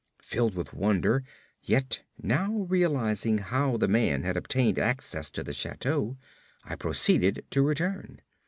Filled with wonder, yet now realizing how the man had obtained access to the chateau, I proceeded to return.